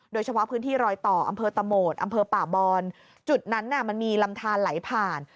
โดยเฉพาะพื้นที่รอยต่ออำเภอตะโหมดอำเภอป่าบอนจุดนั้นน่ะมันมีลำทานไหลผ่าน